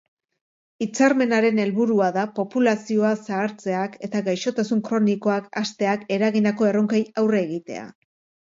Hitzarmenaren helburua da populazioa zahartzeak eta gaixotasun kronikoak hazteak eragindako erronkei aurre egitea.